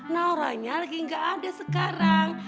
naura nya lagi gak ada sekarang